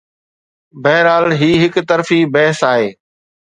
بهرحال، هي هڪ طرفي بحث آهي.